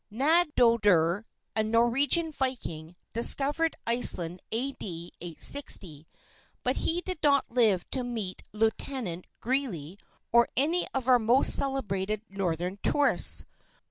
Naddodr, a Norwegian viking, discovered Iceland A. D. 860, but he did not live to meet Lieutenant Greely or any of our most celebrated northern tourists.